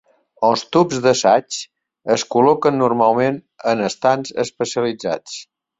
Els tubs d'assaig es col·loquen normalment en estants especialitzats.